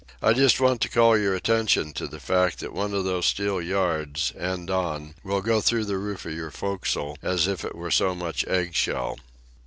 "I just want to call your attention to the fact that one of those steel yards, end on, will go through the roof of your forecastle as if it were so much eggshell."